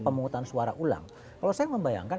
pemungutan suara ulang kalau saya membayangkan